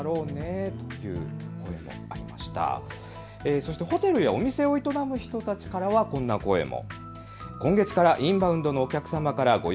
そしてホテルやお店を営む人たちからはこんな声も。